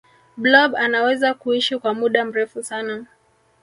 blob anaweza kuishi kwa muda mrefu sana